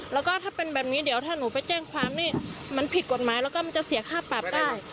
แล้วก็ถ้าเป็นแบบนี้เดี๋ยวถ้าหนูไปแจ้งความนี่มันผิดกฎหมายแล้วก็มันจะเสียค่าปรับได้